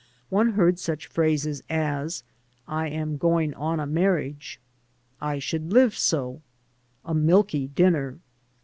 One heard such phrases as '*I am going on a marriage," ^'I should live so," "a milky dinner."